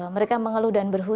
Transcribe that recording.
mereka mengeluh dan berhutang